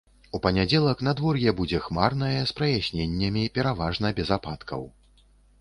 У панядзелак надвор'е будзе хмарнае з праясненнямі, пераважна без ападкаў.